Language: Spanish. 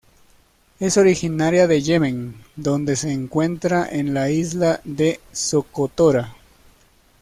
Es originaria de Yemen donde se encuentra en la Isla de Socotora.